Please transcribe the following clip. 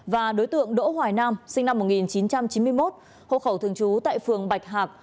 và đối tượng đỗ hoài nam sinh năm một nghìn chín trăm chín mươi một hộ khẩu thường trú tại phường bạch hạc